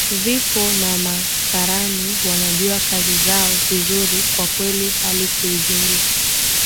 vipo na makarani wanajua kazi zao vizuri kwa kweli hali kiujumla